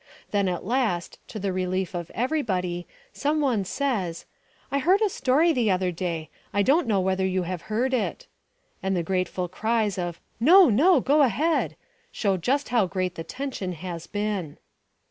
Then at last, to the relief of everybody, some one says: "I heard a story the other day I don't know whether you've heard it " And the grateful cries of "No! no! go ahead" show how great the tension has been.